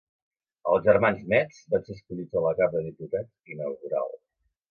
Els germans Metz van ser escollits a la Cambra de Diputats inaugural.